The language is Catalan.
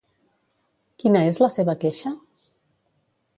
Quina és la seva queixa?